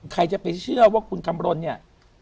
ใครจะไปเชื่อว่าคุณคำรณเนี่ย